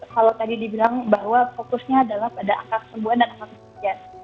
kalau tadi dibilang bahwa fokusnya adalah pada angka kesembuhan dan angka kesembuhan